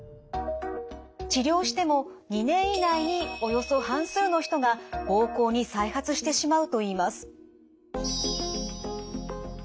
治療しても２年以内におよそ半数の人が膀胱に再発してしまうといいます。